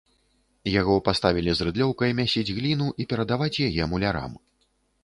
Яго паставілі з рыдлёўкай мясіць гліну і перадаваць яе мулярам.